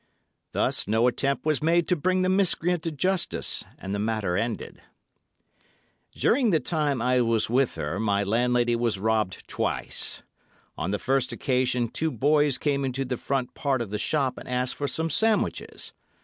Thus, no attempt was made to bring the miscreant to justice, and the matter ended. During the time I was with her, my landlady was robbed twice. On the first occasion two boys came into the front part of the shop and asked for some sandwiches.